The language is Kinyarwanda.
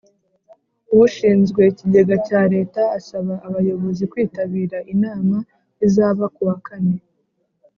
ushinzwe Ikigega cya Leta asaba Abayobozi kwitabira inama izaba kuwa kane